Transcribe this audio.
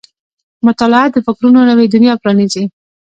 • مطالعه د فکرونو نوې دنیا پرانیزي.